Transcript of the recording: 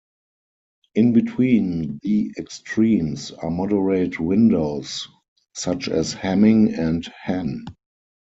In between the extremes are moderate windows, such as Hamming and Hann.